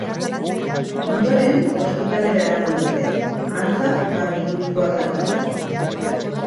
Ondoren ospitalera eraman dute, antza barbiturikoak hartuta.